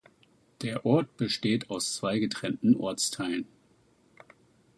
Der Ort besteht aus zwei getrennten Ortsteilen.